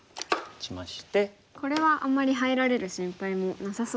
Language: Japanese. これはあんまり入られる心配もなさそうですね。